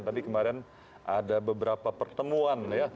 tadi kemarin ada beberapa pertemuan ya